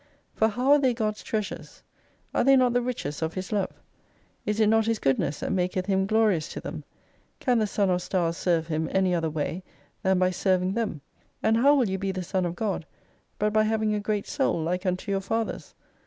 For how are they God's trea sures ? Are they not the riches of His love ? Is it not His goodness that maketh Him glorious to them ? Can the Sun or Stars serve him any other way, than by serving them ? And how will you be the Son of God, but by having a great Soul like unto your Father's